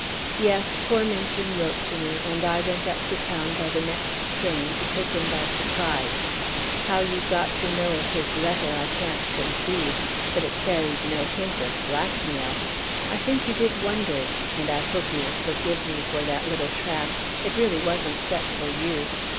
Yes, poor Minchin wrote to me, and I went up to town by the next train to take him by surprise. How you got to know of his letter I can't conceive. But it carried no hint of blackmail. I think you did wonders, and I hope you will forgive me for that little trap; it really wasn't set for you.